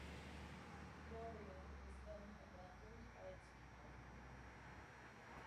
Moria was then abandoned by its people.